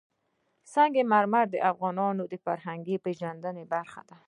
سنگ مرمر د افغانانو د فرهنګي پیژندنې برخه ده.